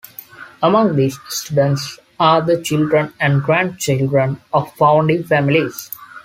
Among these students are the children and grandchildren of founding families.